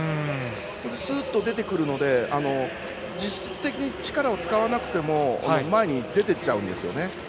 すっと出てくるので、実質的に力を使わなくても前に出ていっちゃうんですよね。